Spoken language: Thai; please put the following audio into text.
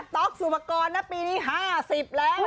ต๊อกสุมกรณ์นะปีนี้๕๐แล้ว